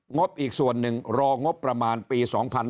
บอีกส่วนหนึ่งรองบประมาณปี๒๕๕๙